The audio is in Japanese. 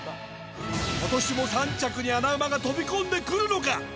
今年も３着に穴馬が飛び込んでくるのか？